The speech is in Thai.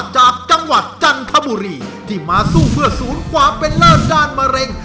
จากจังหวัดจันทบุรีที่มาสู้เพื่อศูนย์ความเป็นเลิศด้านมะเร็ง